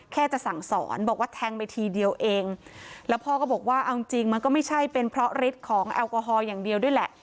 จะสั่งสอนบอกว่าแทงไปทีเดียวเองแล้วพ่อก็บอกว่าเอาจริงจริงมันก็ไม่ใช่เป็นเพราะฤทธิ์ของแอลกอฮอลอย่างเดียวด้วยแหละ